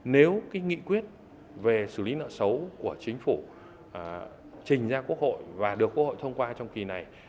nếu cái nghị quyết về xử lý nợ xấu của chính phủ trình ra quốc hội và được quốc hội thông qua trong kỳ này